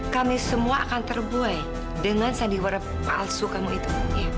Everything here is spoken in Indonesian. kami semua akan terbuai dengan sandiwara palsu kamu itu